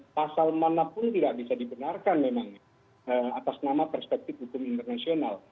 pasal manapun tidak bisa dibenarkan memang atas nama perspektif hukum internasional